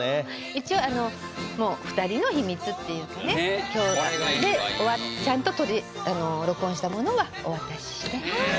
一応もう２人の秘密っていうかねでちゃんと録音したものはお渡しして